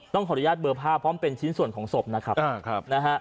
ขออนุญาตเบอร์ภาพพร้อมเป็นชิ้นส่วนของศพนะครับนะฮะ